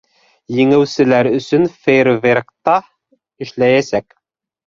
Еңеүселәр өсөн фейерверк та эшләйәсәк.